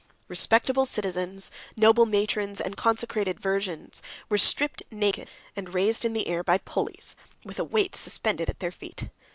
102 Respectable citizens, noble matrons, and consecrated virgins, were stripped naked, and raised in the air by pulleys, with a weight suspended at their feet.